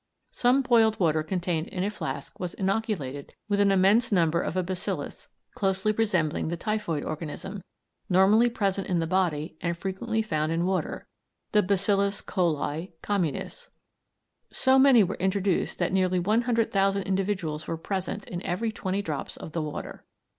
Some boiled water contained in a flask was inoculated with an immense number of a bacillus, closely resembling the typhoid organism, normally present in the body and frequently found in water, the bacillus coli communis. So many were introduced that nearly one hundred thousand individuals were present in every twenty drops of the water.